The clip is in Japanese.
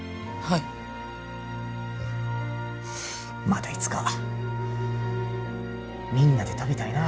またいつかみんなで食べたいな。